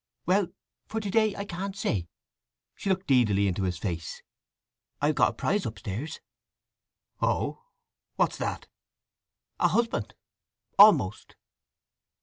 "Well, for to day I can't say." She looked deedily into his face. "I've got a prize upstairs." "Oh? What's that?" "A husband—almost."